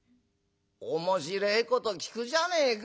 「面白えこと聞くじゃねえか。